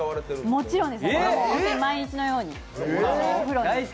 もちろんです、毎日のようにお風呂に。